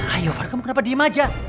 ayo far kamu kenapa diem aja